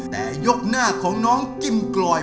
แต่ยกหน้าของน้องกิมกลอย